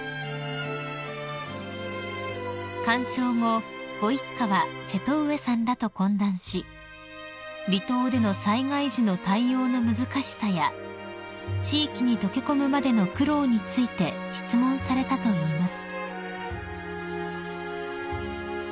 ［観賞後ご一家は瀬戸上さんらと懇談し離島での災害時の対応の難しさや地域に溶け込むまでの苦労について質問されたといいます］